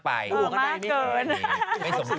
ปล่อยให้เบลล่าว่าง